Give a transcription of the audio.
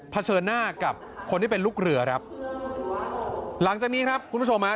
เฉินหน้ากับคนที่เป็นลูกเรือครับหลังจากนี้ครับคุณผู้ชมฮะ